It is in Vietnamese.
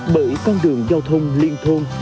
bởi con đường giao thông liên thôn